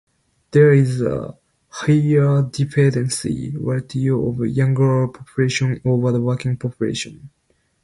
There is a higher dependency ratio of younger population over the working population.